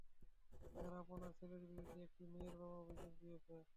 Sir, আপনার ছেলের বিরুদ্ধে এ কটি মেয়ের বাবা অভিযোগ দিয়েছে।